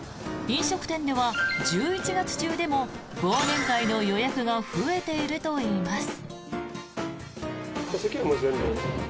飲食店では１１月中でも忘年会の予約が増えているといいます。